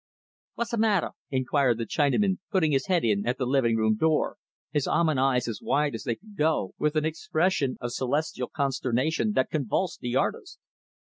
"What's matte'," inquired the Chinaman, putting his head in at the living room door; his almond eyes as wide as they could go, with an expression of celestial consternation that convulsed the artist.